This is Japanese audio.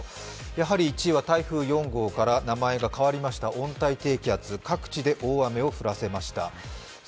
やはり１位は台風４号から名前が変わりました温帯低気圧、各地で大雨を降らせました。